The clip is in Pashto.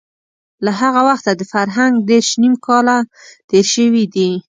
له هغه وخته د فرهنګ دېرش نيم کاله تېر شوي دي.